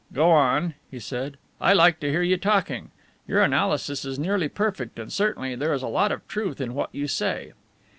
"Go on," he said. "I like to hear you talking. Your analysis is nearly perfect and certainly there is a lot of truth in what you say."